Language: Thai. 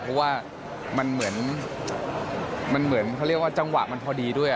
เพราะว่ามันเหมือนมันเหมือนเขาเรียกว่าจังหวะมันพอดีด้วย